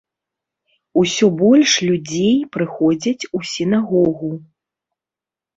Усё больш людзей прыходзяць у сінагогу.